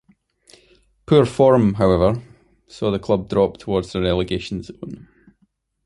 Poor form, however, saw the club drop towards the relegation zone.